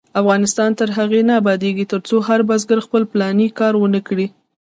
افغانستان تر هغو نه ابادیږي، ترڅو هر بزګر خپل پلاني کار ونکړي.